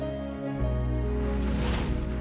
kamu tak punya